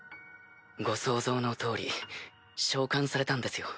ご想像の通り召喚されたんですよ。